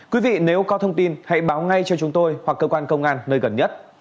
quý vị nếu có thông tin hãy báo ngay cho chúng tôi hoặc cơ quan công an nơi gần nhất